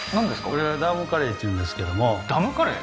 これはダムカレーっていうんですけどもダムカレー！？